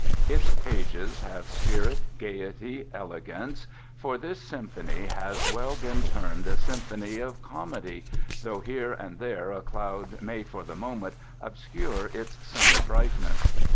Its pages have spirit, gaiety, elegance, for this symphony has well been termed a symphony of comedy, though here and there a cloud may for the moment obscure its sunny brightness.